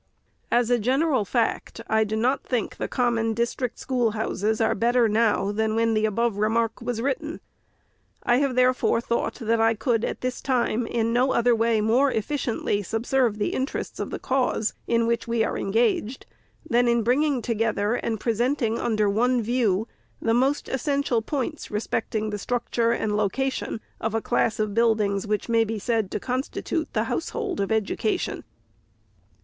As a general fact, I do not think the common, district schoolhouses are VOL. I. 28 «3 434 REPORT OF THE SECRETARY better now than when the above remark was written. I have, therefore, thought, that I could, at this time, in no other way more efficiently subserve the interests of the cause in which we are engaged, than in bringing together, and presenting under one view, the most essential points respecting the structure and location of a class of build ings, which may be said to constitute the household of education.